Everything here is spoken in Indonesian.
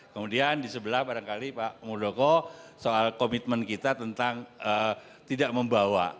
kemudian di sebelah barangkali pak muldoko soal komitmen kita tentang tidak membawa